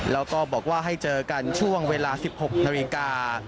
แล้วก็บอกว่าให้เจอกันช่วงเวลา๑๖นาฬิกา